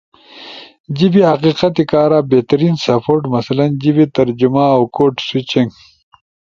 جیبے ھقیقت کارا بہترین سپورٹ مثلاً جیبے ترجمہ اؤ کوڈ سوئچنگ